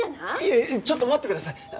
いえちょっと待ってください。